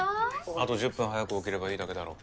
あと１０分早く起きればいいだけだろ。